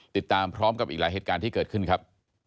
ติดตามพร้อมกับอีกหลายเหตุการณ์ที่เกิดขึ้นครับ